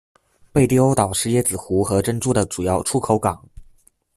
贝蒂欧岛是椰子核和珍珠的主要出口港。